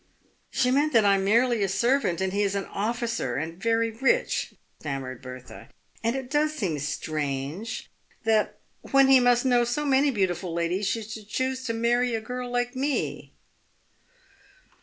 " She meant that I am merely a servant, and he is an officer, and very rich," stammered Bertha ;" and it does seem strange that when he must know so many beautiful ladies he should choose to marry a girl like me."